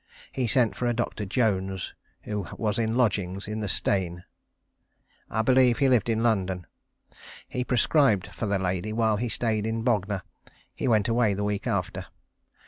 He sent for a Doctor Jones, who was in lodgings in the Steyne. I believe he lived in London. He prescribed for the lady while he stayed in Bognor. He went away the week after.